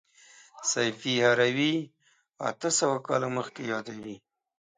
سیفي هروي اته سوه کاله مخکې یادوي.